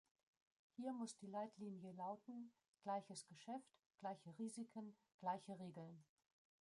Hier muss die Leitlinie lauten "gleiches Geschäft, gleiche Risiken, gleiche Regeln".